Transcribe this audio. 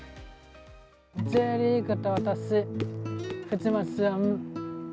「Ｊリーグと私」、藤巻詩音。